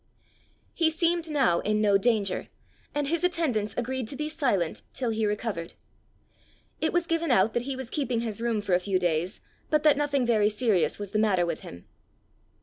He seemed now in no danger, and his attendants agreed to be silent till he recovered. It was given out that he was keeping his room for a few days, but that nothing very serious was the matter with him.